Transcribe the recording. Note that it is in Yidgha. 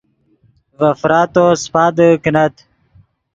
ڤے فراتو سیپادے کینت